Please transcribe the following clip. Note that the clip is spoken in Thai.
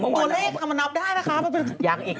ตัวเลขเข้ามานับได้ไหมคะ